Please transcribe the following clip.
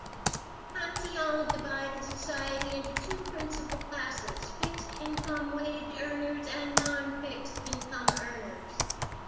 Cantillon divided society into two principal classes-fixed income wage-earners and non-fixed income earners.